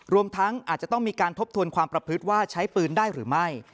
รวมทั้งอาจจะต้องมีการทบทวนความประพฤติว่าใช้ปืนได้หรือไม่